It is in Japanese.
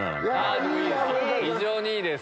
非常にいいです！